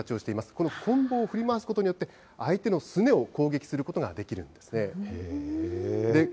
このこん棒を振り回すことによって、相手のすねを攻撃することができるんですね。